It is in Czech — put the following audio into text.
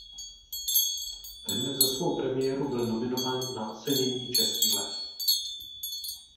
Hned za svou premiéru byl nominován na ocenění Český lev.